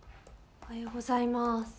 おはようございます。